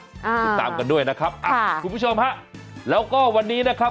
ติดตามกันด้วยนะครับอ่าคุณผู้ชมฮะแล้วก็วันนี้นะครับ